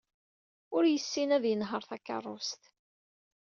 Ur yessin ad yenher takeṛṛust.